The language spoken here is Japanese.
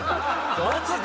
マジで。